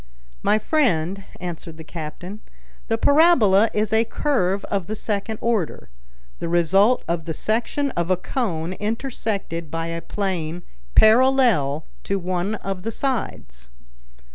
"My friend," answered the captain, "the parabola is a curve of the second order, the result of the section of a cone intersected by a plane parallel to one of the sides."